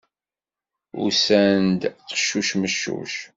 Usan-d qeccuc, meccuc.